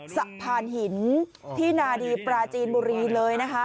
สะพานหินที่นาดีปราจีนบุรีเลยนะคะ